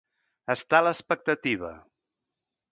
Estar a l'expectativa.